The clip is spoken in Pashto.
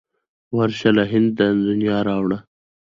ورشه له هنده د نیا را وړه.